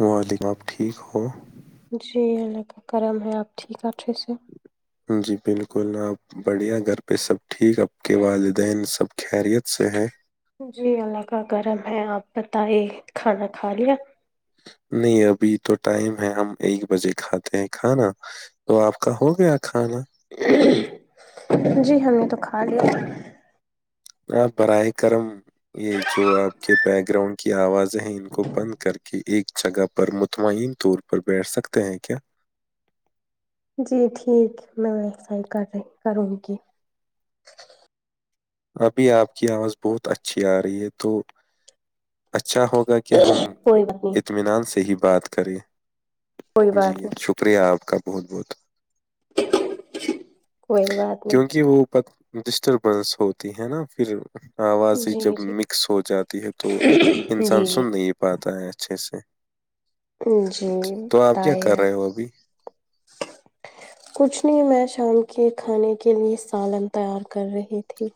وعلیکم آپ ٹھیک ہو جی کا کرم ہے آپ ٹھیک آٹھر سے جی بالکل آپ بڑھیا گھر پہ سب ٹھیک آپ کے والدین سب خیریت سے ہے جی الگ کا گرم ہے آپ بتائیے کھانا کھا لیا نہیں ابھی تو ٹائم ہے ہم ایک بجے کھاتے ہیں کھانا تو آپ کا ہو گیا کھانا جی ہم نے تو کھا لیا آاں براہ کرم یہ جو آپ کے بیک گراؤنڈ کی آواز ذہین کو بند کر کے ایک جگہ پر مطمئن طور پر بیٹھ سکتے ہیں کیا جی ٹھیک میں ویسا ہی کر رہی کروں گی ابھی آپ کی آواز بہت اچھی آ رہی ہے تو اچھا ہوگا کہ ہم کوئی بات نہیں اطمینان سے ہی بات کریں کوئی جی بات نہیں شکریہ آپ کا بہت بہت کوئی بات نہیں کیونکہ وہ پ ڈسٹربنس ہوتی ہے نا پھر آواز ہی جی جب جی مکس ہو جاتی ہے تو انسان جی سن جی نہیں پاتا ہے اچھے سے جی تو آپ کیا بتائیے کر رہے آپ ہو ابھی [unintelligible] کچھ نہیں میں شام کے کھانے کے لیے سالن تیار کر رہی تھی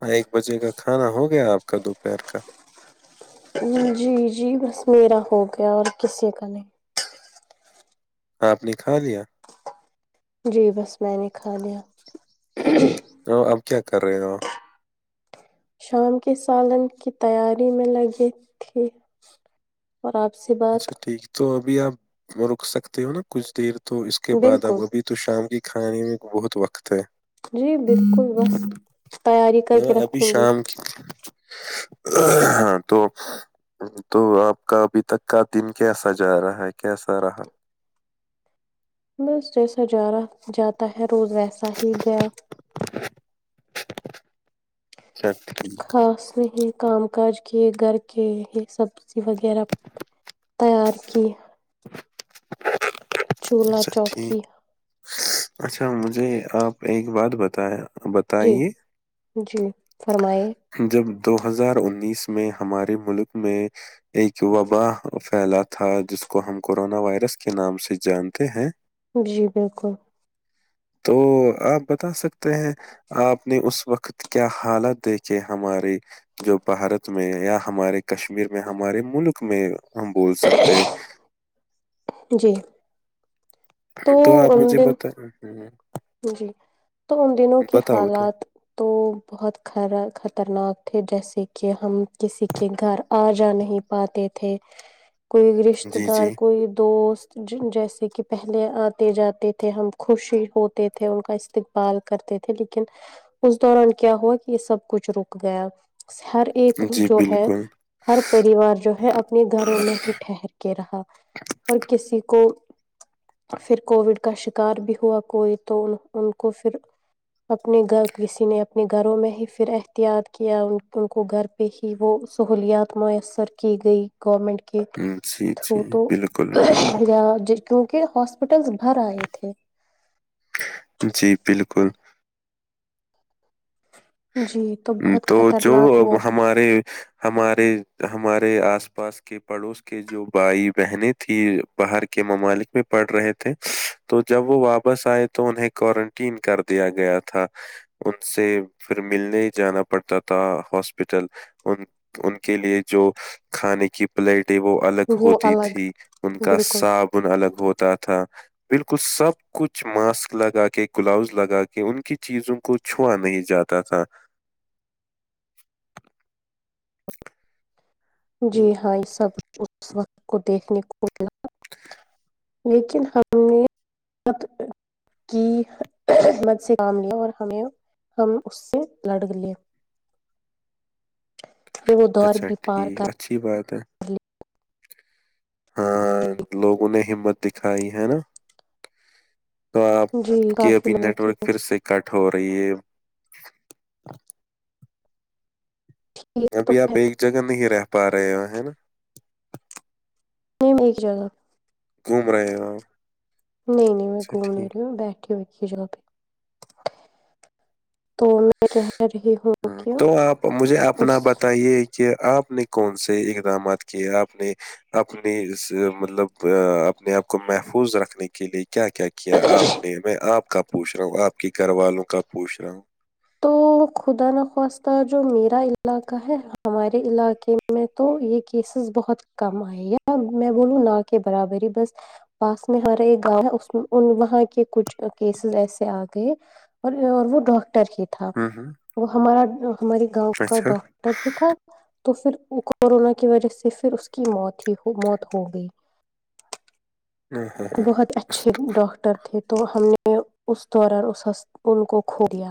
ہاں ایک بجے کا کھانا ہو گیا آپ کا دوپہر کا جی جی بس میرا ہو گیا اور کسی کا نہیں آپ نے کھا لیا جی بس میں نے کھا لیا اب کیا کر رہے ہو شام کے سالن کی تیاری میں لگے تھے اور آپ سے بات اچھا ٹھیک تو ابھی آپ رک سکتے ہو نا کچھ دیر تو اس کے بعد بالکل آپ ابھی تو شام کی کھانے میں بہت وقت ہے جی بالکل بس تیاری کر کے ہاں، ابھی رکھوں گی شام ہاں تو تو آپ کا ابھی تک کا دن کیسا جا رہا ہے کیسا رہا بس جیسا جا رہا جاتا ہے روز ویسا ہی گیا اچھا خاس میں ہی کام کاج کے گھر کے ہی سبزی وغیرہ تیار کی چولہا اچھا ٹھیک چوکی اچھا مجھے آپ ایک بات بتایا جی بتائیے جی فرمائیے جب دو ہزار انیس میں ہمارے ملک میں ایک وبا پھیلا تھا جس کو ہم کورونا وائرس کے نام سے جانتے ہیں جی بالکل تو آپ بتا سکتے ہیں آپ نے اس وقت کیا حالت دیکھ کہ ہمارے جو بھارت میں یا ہمارے کشمیر میں ہمارے ملک میں ہم بول سکتے ہیں جی تو آپ ان مجھے دن بت جی تو ان دنوں کے بتاؤ تو حالات تو بہت خرا خطرناک تھے جیسے کہ ہم کسی کے گھر آ جا نہیں پاتے تھے کوئی رشتے جی دار جی کوئی دوست جیسے کہ پہلے آتے جاتے تھے ہم خوشی ہو تھے ان کا استقبال کرتے تھے لیکن اس دوران کیا ہوا کہ یہ سب کچھ رک گیا ہر ایک جی جو ہے بالکل ہر پریوار جو ہے اپنے گھروں میں ہی ٹھہر کے رہا اور کسی کو پھر کووڈ کا شکار بھی ہوا کوئی تو ان ان کو پھر اپنے گھر کسی نے اپنے گھروں میں ہی پھر احتیاط کیا ان کو گھر پہ ہی وہ سہولیات میسر کی گئی گورمینٹ کے جی جی تھرو تو بالکل بالکل یا جس کیونکہ ہاسپٹلس بھر آئے تھے جی بالکل جی بہت تو جو خطرناک وہ ہمارے ہمارے ہمارے آس پاس کے پڑوس کے جو بھائی بہن تھی باہر کے ممالک میں پڑ رہے تھے تو جب وہ واپس آئے تو انہیں کون یکین کر دیا گیا تھا ان سے پھر ملنے ہی جانا پڑتا تھا ہاسپٹل ان ان کے لیے جو کھانے کی پلیٹ ہے وہ الگ وہ ہوتی الگ تھی ان کا بالکل صابن الگ ہوتا تھا بالکل سب کچھ ماسک لگا کے گلاوز لگا کے ان کی چیزوں کو چھو نہیں جاتا تتا جی ہوں، ہاں یہ سب اس وقت کو دیکھنے کو ملا لیکن ہم نے کی مت سے کام ل اور ہمیں ہم اس سے لڑ لیے اچھا ٹھیک اچھی بات ہے الی [inaudible] ہاں لوگوں نے ہمت دکھائی ہے نا تو آپ جی کی کافی ابھی لوگوں کی نیٹورک تو پھر سے کٹ ہو رہی ہے ابھی آپ ایک جگہ نہیں رہ پا رہے ہو ہے نا نہیں م ایک جگہ گھوم رہاے وہ نہیں نہیں میں گھوم نہیں رہی ہوں بیٹھی ہ دھی جا پ تو میں کہہ رہی ہوں کہ تو آپ مجھے اس اپنا بتائیے کہ آپ نے کون سے اقدامات کیے آپ نے اپنی مطلب اپنے آپ کو محفوظ رکھنے کی کے لیے کیا کیا کیا آپ نے میں آپ کا پوچھ رہا ہوں آپ کے گھر والوں کا پوچھ رہا ہوں تو خدا نخواستہ جو میرا علاقہ ہے ہمارے علاقے میں میں تو یہ کیسز بہت کم آئے میں بولوں نہ کے برابری بس پاس میں ہمارا ایک گاؤں ہے اس وہاں کے کچھ کیسز ایسے آ گئے اور اور وہ ڈاکٹر ہی تھا ہ ہ وہ ہمارا ہماریے گاؤں کا اچھا ڈاکٹر ہی تھا تو پھر کورونا کی وجہ سے پھر اس کی موت ہی ہو موت ہو گئی ہ ہ بہت اچھا ہ اچھے ڈاکٹر تھے تو ہم نے اس دوران اس ان کو کھو دیا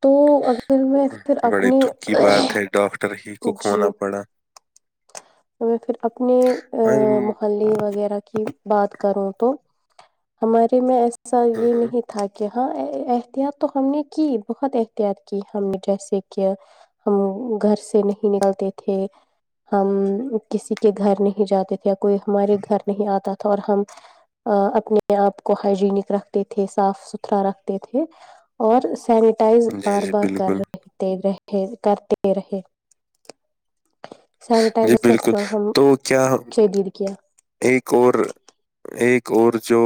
تو اگر میں پھر بڑے اپنی دکھ کی بات ڈاکٹر ہی کو جی کھونا پڑا میں پھر اپنے ہم- محلے وغیرہ کی بات کروں تو ہمارے میں ایسا ہم- یہ ہم، نہیں تھا کہ ہاں احتیاط تو ہم نے کی بہت احتیاط کی ہم نے جیسے کہ ہم گھر سے نہیں نکلتے تھے ہم کسی کے گھر نہیں جاتے تھے یا کوئی ہمارے گھر نہیں آتا تھا اور ہم اپنے آپ کو ہائجینک رکھتے تھے صاف ستھرا رکھتے تھے اور سینٹائز جی بار جی بار کر بالکل رہ رہے کرتے رہے جی سینٹائزر گس بالکل تل ہم ہم تو کیا شدید کنہ ایک اور ایک اور جو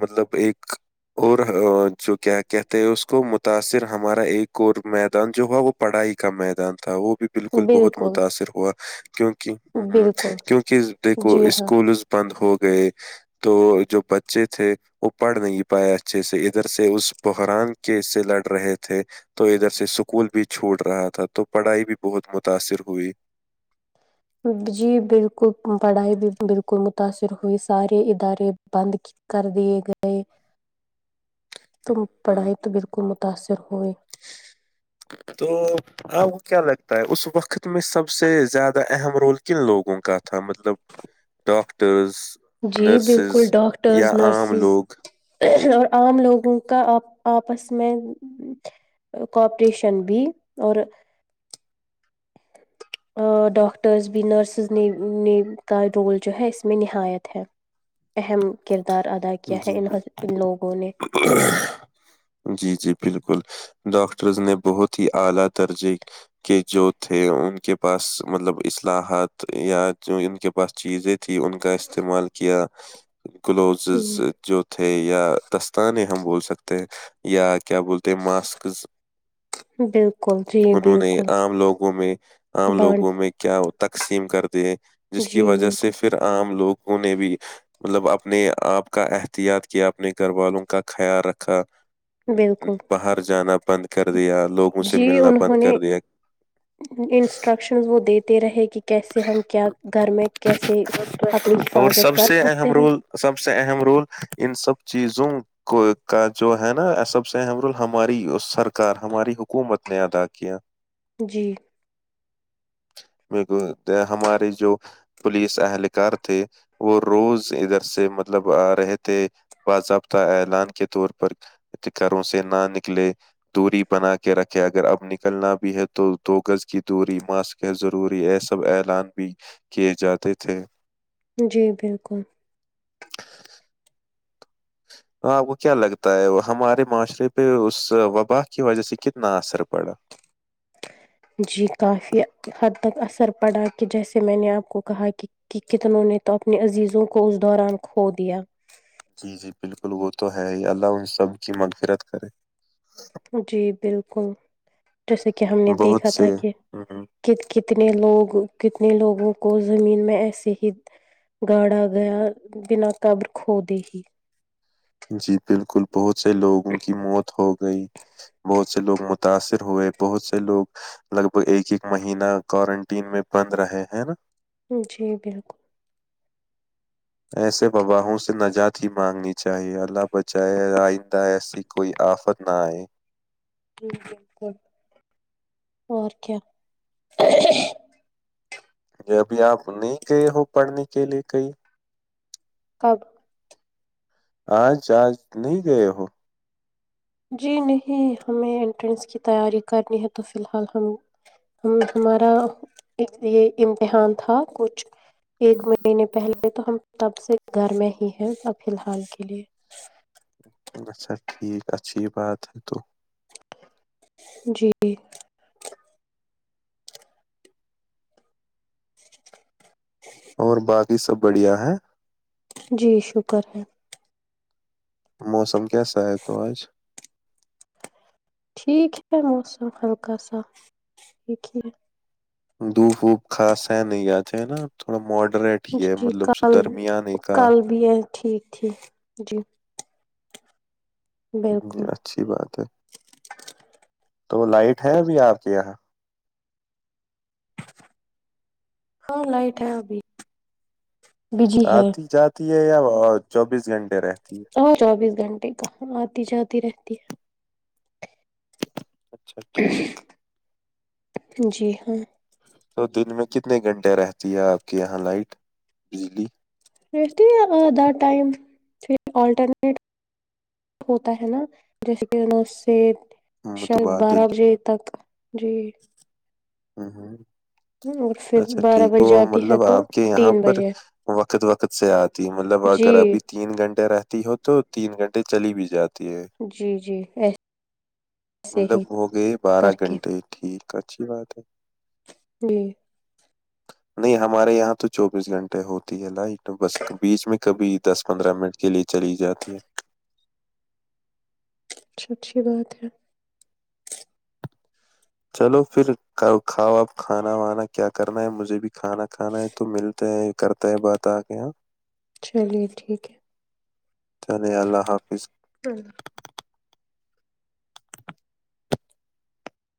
مطلب ایک اور جو کیا کہتے ہیں اس کو متاثر ہمارا ایک اور میدان جو ہو وہ پڑھائی کا میدان تھا وہ بھی بالکل بہت متاثر ہوا کیک ہ بالکل کیونکہ دیکھو جی اس ہاں پولس بند ہو گئے تو جو بچے تھے وہ پڑھ نہیں پاائے اچھے سے ادھر سے اس بحران کے ح سے لڑ رہے تھے تو ادھر سے اسکول بھی چھوٹ رہا تھا تو پڑھائی بھی بہت متاثر ہوئی جی بالکل پڑھائی بھی بالکل متاثر ہوئی سارے ادارے بند کیے کر دیے گئے تم ہ پڑھائی تو بالکل متاثر ہوئے تو ہاں وہ کیا لگتا ہے اس وقت میں سب سے زیادہ اہم رول کن لوگوں کا تھا مطلب ڈاکٹرز جی نرسز بالکل ڈاکٹرز یا عام نرسز لوگ اور عام لوگوں کا آپ آپس میں کوپریشن بھی اور ڈاکٹرز بھی نرسز نے نے کا رول جو ہے اس میں نہایت ہیں اہم کردار اد جی بال [unintelligible] جے جی ڈاکٹرز نے بہت ہی اعلی درجے کہ جو تھے ان کے پاس مطلب اصلاحات یا ان کے بس چیزیں تیں ان کا استعمال کیا گلؤزز ہم، جو تھے یا دستانے ہم بول سکتے ہیں یا کیا بولتے ماسکز [unintelligible] بالکل جی انہوں نے بالکل عام لوگوں میں عام بانٹ لوگوں میں کیا وہ تقسیم کر د جس کی جی وجہ سے بالکل پھر عام لوگوں نے بھی مطلب اپنے آپ کا احتیاط کیا اپنے گھر والوں کا خیال رکھا بالکل باہر جانا بند کر دیا لوگوں سے جی ملنا بند انہوں کر نے دیا انسٹرکشنز وہ دیتے رہے کہ کیسے ہم کیا گھر میں کیسے اپنی اور حفاظت سب کر سے سکتے اہم ہیں رول سب سے اہم رول ان سب چیزوں کو کا جو ہے نا سب سے اہم رول ہماری سرکار ہماری حکومت نے ادا کیا جی میریک ہمارے جو پولیس اہلکار تھے وہ روز ادھر سے مطلب رہے تھے باضابطہ اعلان کے طور پر اتکاروں سے نہ نکلے دوری بنا کے رکھے اگر اب نکلنا بھی ہے تو دو گز کی دوری ماسک ہے ضروری ایسا سب اعلان بھی کیے جاتے تھے جی بالکل تو آپ کو کیا لگتا ہے ہمارے معاشرے پہ اس وبا کی وجہ سے کتنا اثر پڑا جی کافی حد تک اثر پڑا کہ جیسے میں نے آپ کو کہا کہ کہ کتنوں نے تو اپنی عزیزوں کو اس دوران کھو دیا جی جی بالکل وہ تو ہے ہی اللہ ان سب کی منفرت کرے جی بالکل جیسے کہ ہم نے بہت دیکھا تھا سے کہ ہوں ک کتنے لوگ کتنے لوگوں کو زمین میں ایسے ہی گاڑا گیا بنا قبر کو دے ہی جی بالکل بہت سے لوگوں کی موت ہو گئی بہت سے لوگ متاثر ہوئے بہت سے لوگ لگ بھگ ایک ایک مہین کوارنٹین میں بند رہے ہیں نا جی بالکل ایسے وباہوں سے نجات ہی مانگنی چاہیے اللہ بچائے آئندہ ای س کوئی آفت نہ آئے بالکل اور کیا [unintelligible] یہ ابھی آپ نہیں گئے ہو پڑھنے کے لیے کئی کب [unintelligible] آج آج نہیں گئے ہو جی نہیں ہمیں انٹرینس کی تیاری کرنی ہے تو فی الحال ہم ہم ہمارا یہ امتحان تھا کچھ ایک مہینے پہلے تو ہم تب سے گھر میں ہی ہیں سب فی الحال کے لیے اچھا ٹھیک اچھی یہ بات ہے تو جی جی [unintelligible] اور باقی سب بڑھیا ہے جی شکر ہے موسم کیسا ہے تو آج ٹھیک ہے موسم ہلکا سا ٹھیک ہے دھوپ ووپ کھاس ہے نہیں آتے ہے نا تھوڑا ماڈریٹ ہے جی مطلب س کل درمیاان کا کل بھی ہے ٹھیک ٹھیک جی ی بالکل اچھی بات ہے تو لائٹ ہے ابھی آپ کے یہاں ہاں لائٹ ہے ابھی بجی ہے آتی جاتی ہے یا چوبیس گھنٹے رہتی ہے اور چوبیس گھنٹے کا آتی جاتی رہتی ہے اچھا ٹھیک [unintelligible] جی ہاں تو دن میں کتنے گھنٹے رہتی ہے آپ کے یہاں لائٹ بجلی دیٹ ائم تھ آلٹرنیٹ ہوتا ہے نا جیسے کہ ہے نا اس سے شاید متبادل بارہ بجے تک جی ہ ہ اور پھر اچھا بارہ ٹھیک بجے وہ جاتی ہے مطلب تو آپ کے یہاں تین پر بجے وقت وقت سے آتی مطلب جی اگر ابھی تین گھنٹے رہتی ہو تو تین گھنٹے چلی بھی جاتی ہے جی جی ای مطلب ہو گئے بارہ کر کے گھنٹے ٹھیک اچھی بات ہے جی [unintelligible] نہیں ہمارے یہاں تو چوبیس گھنٹے ہوتی ہے لائٹ بس بیچ میں کبھی دس پندرہ منٹ کے لیے چلی جاتی ہے اچا اچھی بات ہے چلو پھر کھاؤ آپ کھانا وانا کیا کرنا ہے مجھے بھی کھانا کھانا ہے تو ملتے ہیں کرتا ہے بات آ کے یہاں چلیے ٹھیک ہے چلے اللہ حافظ